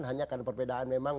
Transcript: hanya kan perbedaan memang